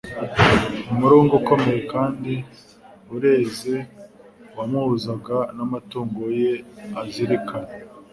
Umurunga ukomeye kandi ureze wamuhuzaga n'amatungo ye azirikana.